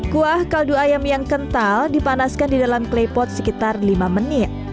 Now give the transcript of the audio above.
kuah kaldu ayam yang kental dipanaskan di dalam klepot sekitar lima menit